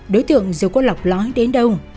đối tượng dù có lọc lói đến đâu